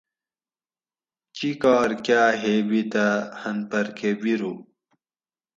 چکاٞر کاٞ ہیٔبِتہ ہن پھر کٞہ بِیرُو